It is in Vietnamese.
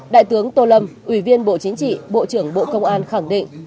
đại tướng tô lâm ủy viên bộ chính trị bộ trưởng bộ công an khẳng định